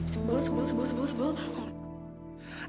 sebel sebel sebel sebel